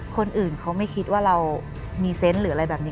คนอื่นเขาไม่คิดว่าเรามีเซนต์หรืออะไรแบบนี้